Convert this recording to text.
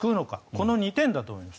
この２点だと思います。